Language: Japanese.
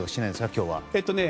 今日は。